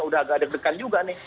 udah agak deg degan juga nih